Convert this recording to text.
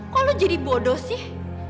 kok lu jadi bodoh sih